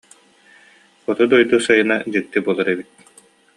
Хоту дойду сайына дьикти буолар эбит